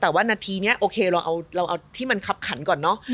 แต่ว่านาทีนี้โอเคเราเอาที่มันคับขันก่อนเนอะ